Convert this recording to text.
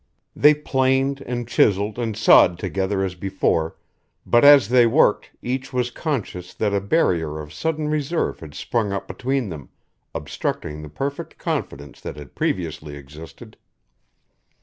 They planed and chiselled and sawed together as before, but as they worked each was conscious that a barrier of sudden reserve had sprung up between them, obstructing the perfect confidence that had previously existed.